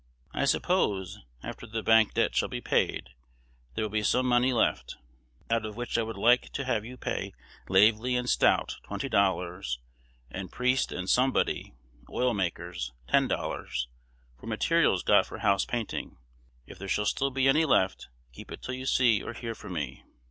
I suppose, after the bank debt shall be paid, there will be some money left, out of which I would like to have you pay Lavely and Stout twenty dollars, and Priest and somebody (oil makers) ten dollars, for materials got for house painting. If there shall still be any left, keep it till you see or hear from me.